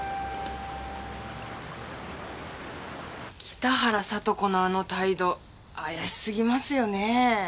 北原さと子のあの態度怪しすぎますよねぇ。